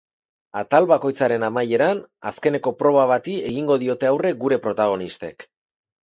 Atal bakoitzaren amaieran, azkeneko proba bati egingo diote aurre gure protagonistek.